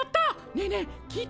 ねえねえ聞いた？